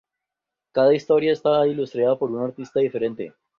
Cada historia está ilustrada por un artista diferente.